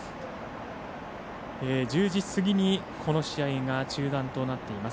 １０時過ぎにこの試合が中断となっています。